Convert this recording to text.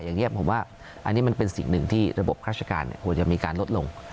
อย่างนี้ผมว่าอันนี้มันเป็นสิ่งหนึ่งที่ระบบราชการควรจะมีการลดลง